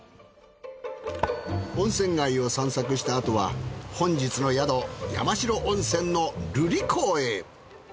温泉街を散策したあとは本日の宿山代温泉の瑠璃光へ。